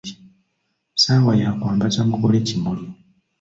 Ssaawa ya kwambaza mugole kimuli.